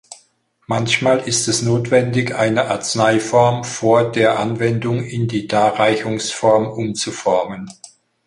Manchmal ist es notwendig, eine Arzneiform vor der Anwendung in die Darreichungsform umzuformen.